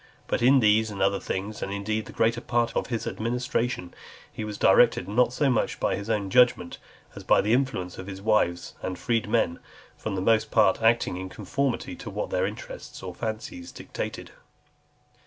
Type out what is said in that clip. But in these and other things, and indeed the greater part of his administration, he was directed not so much by his own judgment, as by the influence of his wives and freedmen; for the most part acting in conformity to what their interests or fancies dictated.